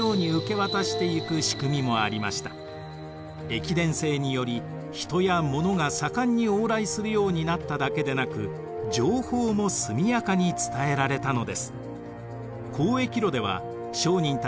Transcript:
駅伝制により人やものが盛んに往来するようになっただけでなく情報も速やかに伝えられたのです。